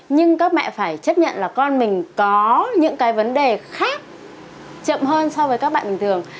nhưng các mẹ phải chấp nhận là con mình có những cái vấn đề khác chậm hơn so với các bạn bình thường